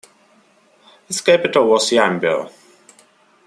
Its capital was Yambio.